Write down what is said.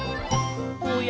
「おや？